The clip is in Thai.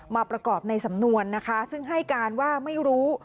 มาประกอบในสำนวนนะคะซึ่งให้การว่าไม่รู้